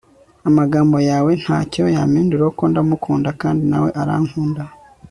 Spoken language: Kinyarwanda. amagambo yawe ntacyo yampinduraho kuko ndamukunda kandi nawe arankunda